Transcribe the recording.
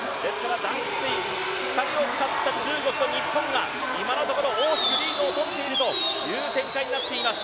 ２人を使った中国と日本が、今のところ大きくリードをとっている展開になっています。